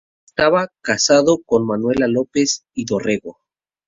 Estaba casado con Manuela López y Dorrego.